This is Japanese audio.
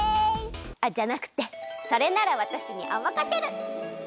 あっじゃなくてそれならわたしにおまかシェル！